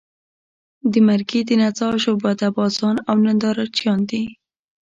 د مرګي د نڅا شعبده بازان او نندارچیان دي.